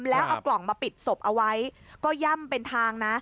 แล้วเอากล่องมาปิดศพเอาไว้ก็ย่ำเป็นทางนะ